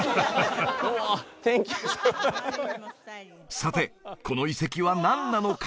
さてこの遺跡は何なのか？